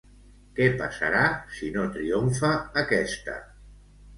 Què passarà si no triomfa aquesta?